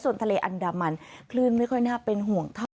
ส่วนทะเลอันดามันคลื่นไม่ค่อยน่าเป็นห่วงเท่าไ